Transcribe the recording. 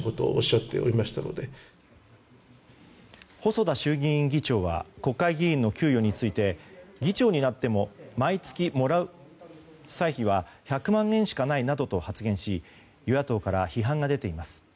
細田衆議院議長は国会議員の給与について議長になっても毎月もらう歳費は１００万円しかないなどと発言し与野党から批判が出ています。